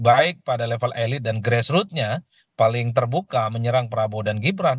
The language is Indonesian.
baik pada level elit dan grassrootnya paling terbuka menyerang prabowo dan gibran